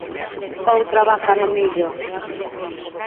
Outra vaca no millo!